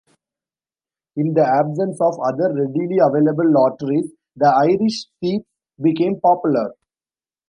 In the absence of other readily available lotteries, the Irish Sweeps became popular.